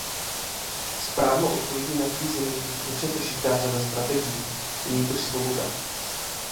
Správnou odpovědí na krizi není nepřetržitá řada strategií, nýbrž svoboda.